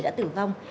đã tử vong